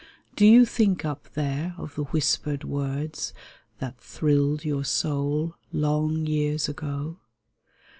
Do you think up there of the whispered words That thrilled your soul long years ago